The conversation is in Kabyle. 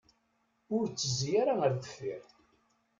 Ur ttezzi ara ar deffir.